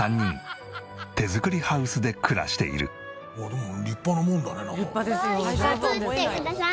でも立派なもんだね。